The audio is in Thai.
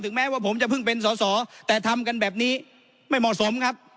แม้ว่าผมจะเพิ่งเป็นสอสอแต่ทำกันแบบนี้ไม่เหมาะสมครับ